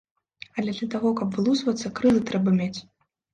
Але для таго, каб вылузвацца, крылы трэба мець.